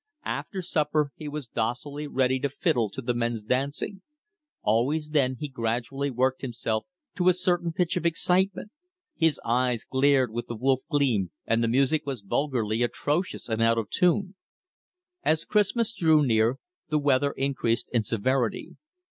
After supper he was docilely ready to fiddle to the men's dancing. Always then he gradually worked himself to a certain pitch of excitement. His eyes glared with the wolf gleam, and the music was vulgarly atrocious and out of tune. As Christmas drew near, the weather increased in severity.